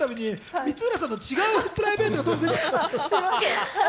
光浦さんの違うプライベートが出ちゃってる。